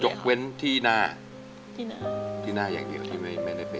จกเว้นที่หน้าที่หน้าที่หน้าอย่างเดียวที่ไม่ไม่ได้เป็น